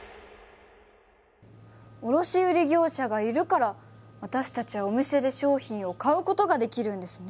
卸売業者がいるから私たちはお店で商品を買うことができるんですね。